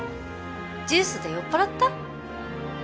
ジュースで酔っぱらった？